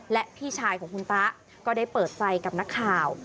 และพี่ชายของคุณตะก็ได้เปิดใจกับนักข่าว